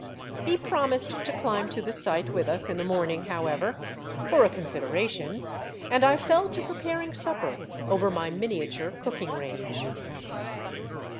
He promised to climb to the site with us in the morning, however, for a consideration, and I fell to preparing supper over my miniature cooking range.